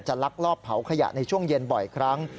ลักลอบเผาขยะในช่วงเย็นบ่อยครั้ง